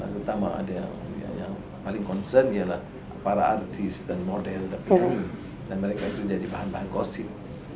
terutama ada yang paling concern ialah para artis dan model dan mereka itu jadi bahan bahan kosit